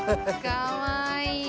かわいい。